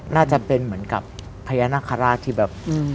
น่าจะเป็นเหมือนกับพญานาคาราชที่แบบ